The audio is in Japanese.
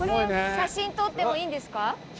写真撮っていいですか？